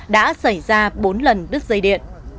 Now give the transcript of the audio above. đã xảy ra bốn lần đứt dây điện